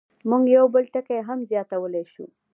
موږ یو بل ټکی هم زیاتولی شو.